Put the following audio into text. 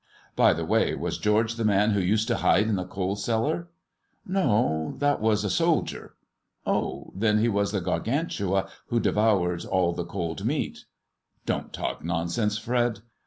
By the way, was George the man who to hide in the coal cellar 1 " "No, that was a soldier." " Oh, then he was the Gargantua who devoured all cold meat." ^" Don't talk nonsense, Fred.